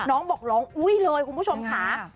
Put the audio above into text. น้องบอกร้องอุ้ยเลยคุณผู้ชมค่ะ